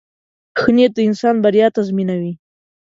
• ښه نیت د انسان بریا تضمینوي.